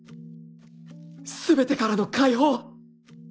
全てからの解放！